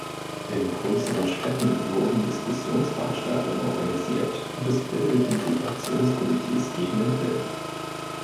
In größeren Städten wurden Diskussionsveranstaltungen organisiert, und es bildeten sich Aktionskomitees gegen den Film.